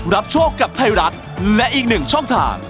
โชคกับไทยรัฐและอีกหนึ่งช่องทาง